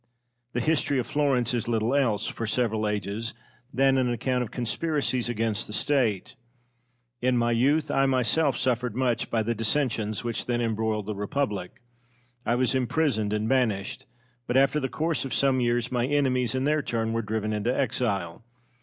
The history of Florence is little else, for several ages, than an account of conspiracies against the State. In my youth I myself suffered much by the dissensions which then embroiled the Republic. I was imprisoned and banished, but after the course of some years my enemies, in their turn, were driven into exile.